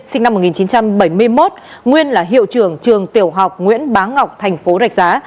sinh năm một nghìn chín trăm bảy mươi một nguyên là hiệu trưởng trường tiểu học nguyễn bá ngọc thành phố rạch giá